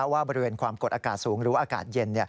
บริเวณความกดอากาศสูงหรืออากาศเย็น